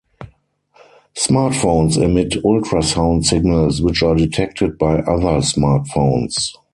Smartphones emit ultrasound signals which are detected by other smartphones.